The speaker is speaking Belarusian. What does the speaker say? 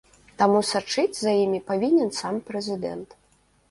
Таму сачыць за імі павінен сам прэзідэнт.